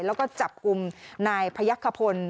แล้วก็จับกลุ่มนายพยักษพล